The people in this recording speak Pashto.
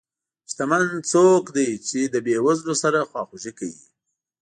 شتمن څوک دی چې له بې وزلو سره خواخوږي کوي.